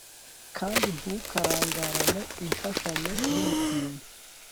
kandi ntukarangarane imfashanyo y'umutindi